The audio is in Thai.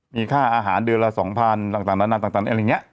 มีค่าอาหารเดือนละ๒๐๐๐บาทต่างร้าน